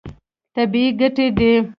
طبیعي ګټې دي.